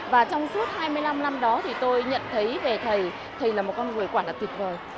và trong suốt hai mươi năm năm đó thì tôi nhận thấy về thầy thầy là một con người quản lập tuyệt vời